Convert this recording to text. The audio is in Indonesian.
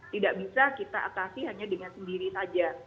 tidak bisa kita atasi hanya dengan sendiri saja